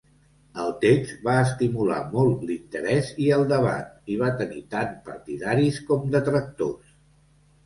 El text va estimular molt l'interès i el debat, i va tenir tant partidaris com detractors.